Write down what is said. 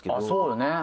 そうよね。